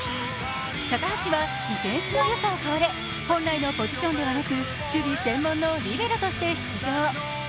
高橋はディフェンスのよさを買われ本来のポジションではなく守備専門のリベロとして出場。